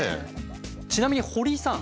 ちなみに堀井さん。